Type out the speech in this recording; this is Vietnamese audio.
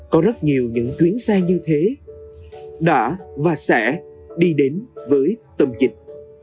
có rất nhiều những chuyến xe như thế đã và sẽ đi đến với tâm dịch